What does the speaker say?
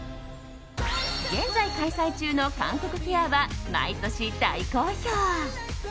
現在開催中の韓国フェアは毎年大好評。